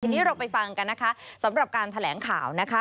ทีนี้เราไปฟังกันนะคะสำหรับการแถลงข่าวนะคะ